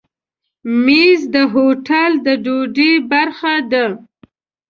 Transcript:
مېز د هوټل د ډوډۍ برخه ده.